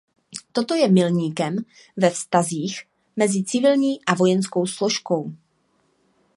Toto je milníkem ve vztazích mezi civilní a vojenskou složkou.